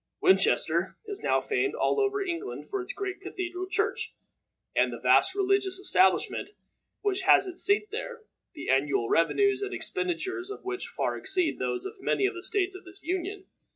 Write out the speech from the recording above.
Winchester is now famed all over England for its great Cathedral church, and the vast religious establishment which has its seat there the annual revenues and expenditures of which far exceed those of many of the states of this Union.